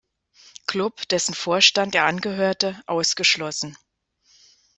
Club, dessen Vorstand er angehörte, ausgeschlossen.